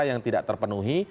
yang tidak terpenuhi